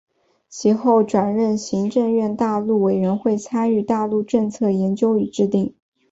其后转任行政院大陆委员会参与大陆政策研究与制定。